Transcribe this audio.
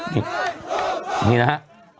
อย่างนี้นะฮะ